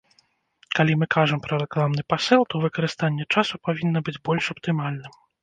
Калі мы кажам пра рэкламны пасыл, то выкарыстанне часу павінна быць больш аптымальным.